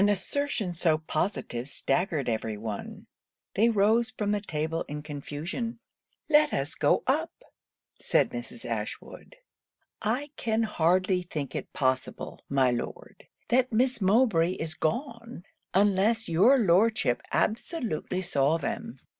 An assertion so positive staggered every one. They rose from table in confusion. 'Let us go up,' said Mrs. Ashwood; 'I can hardly think it possible, my Lord, that Miss Mowbray is gone, unless your Lordship absolutely saw them.'